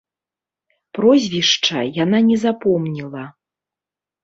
Прозвішча яна не запомніла.